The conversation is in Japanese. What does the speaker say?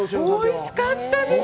おいしかったです。